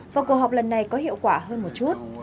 và cuộc họp lần này có hiệu quả hơn một chút